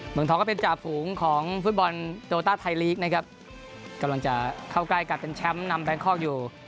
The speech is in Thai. เมืองทองก็เป็นจ่าฝูงของฟุตบอลโตต้าไทยลีกนะครับกำลังจะเข้าใกล้การเป็นแชมป์นำแบงคอกอยู่